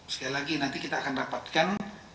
sekali lagi nanti kita akan dapatkan